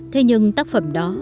thế nhưng tác phẩm đó